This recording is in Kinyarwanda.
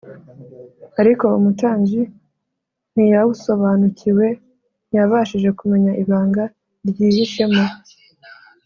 ! Ariko umutambyi ntiyawusobanukiwe; ntiyabashije kumenya ibanga ryihishemo.